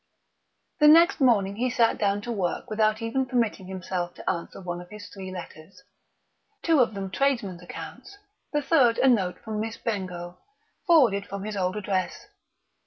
The next morning he sat down to work without even permitting himself to answer one of his three letters two of them tradesmen's accounts, the third a note from Miss Bengough, forwarded from his old address.